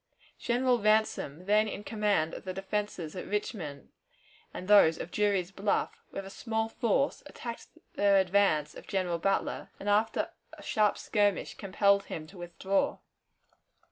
General Ransom, then in command of the defenses at Richmond and those of Drury's Bluff, with a small force, attacked the advance of General Butler, and after a sharp skirmish compelled him to withdraw.